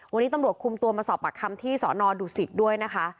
วันนี้ตำรวจคุมตัวมาสอบปากคำที่สอนอดุสิตด้วยนะคะ